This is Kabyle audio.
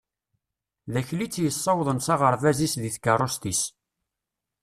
D Akli i tt-yessawaḍen s aɣerbaz-is deg tkarust-is.